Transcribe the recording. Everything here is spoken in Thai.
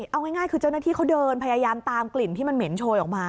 เอาง่ายคือเจ้าหน้าที่เขาเดินพยายามตามกลิ่นที่มันเหม็นโชยออกมา